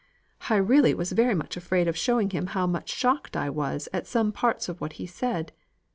I really was very much afraid of showing him how much shocked I was at some parts of what he said.